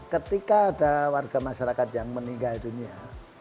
ketika ada warga masyarakat yang meninggal dunia